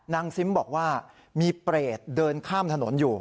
ซิมบอกว่ามีเปรตเดินข้ามถนนอยู่